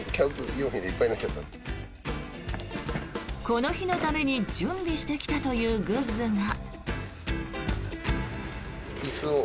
この日のために準備してきたというグッズが。